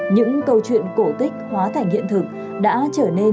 những câu chuyện cổ tích hóa thành hiện thực đã trở nên